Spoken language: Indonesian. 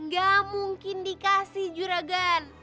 gak mungkin dikasih juragan